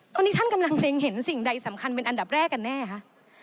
ตอนนี้ท่านกำลังเล็งเห็นสิ่งใดสำคัญเป็นอันดับแรกกันแน่คะ